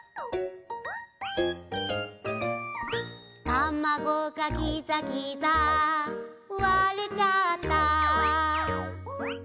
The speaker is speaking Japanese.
「たまごがギザギザ割れちゃった」